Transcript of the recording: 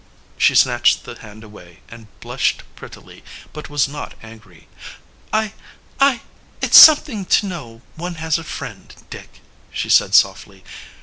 She snatched the hand away and blushed prettily, but was not angry. "I I ; it's something to know one has a friend, Dick," she said softly.